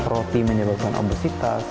roti menyebabkan obesitas